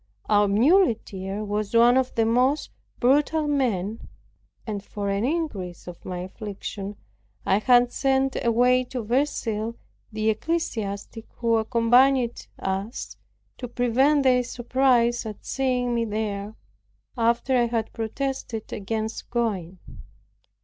Our muleteer was one of the most brutal men; and for an increase of my affliction, I had sent away to Verceil the ecclesiastic who accompanied us, to prevent their surprise at seeing me there, after I had protested against going.